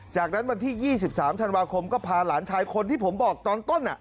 จากนั้นวันที่๒๓ธันวาคมก็พาหลานชายคนที่ผมบอกตอนต้น